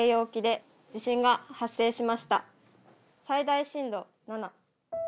最大震度７。